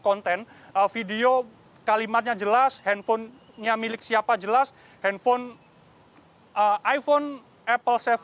konten video kalimatnya jelas handphonenya milik siapa jelas handphone iphone apple safe